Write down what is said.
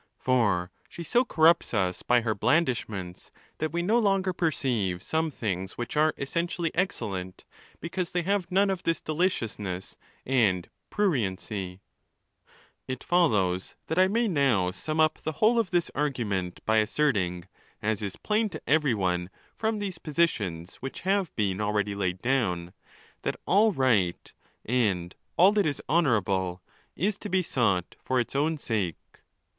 For she so corrupts us by her blandishments, that we no longer perceive some things which are essentially excellent, because they have none of this deliciousness and pruriency. XVIII. It follows that I may now sum up the whole of this argument by asserting, as is plain to every one from these positions which have been already laid down, that all right and all that is honourable is to be sought for its own sake.